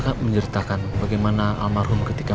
harusnya kalian tuh mikir ya